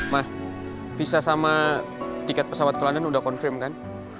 mah visa sama tiket pesawat ke london udah confirm kan